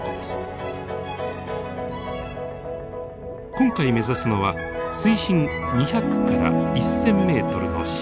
今回目指すのは水深２００から１，０００メートルの深海。